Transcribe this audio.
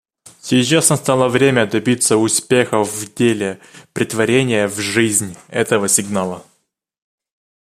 Сейчас настало время добиться успехов в деле претворения в жизнь этого сигнала.